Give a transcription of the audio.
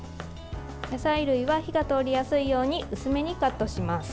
野菜類は火が通りやすいように薄めにカットします。